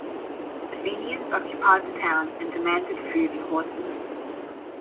The Fenians occupied the town and demanded food and horses.